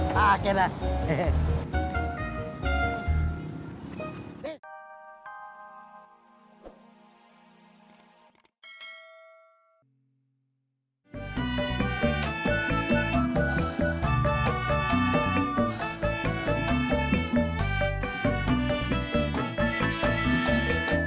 tidak ada yang bisa dihukum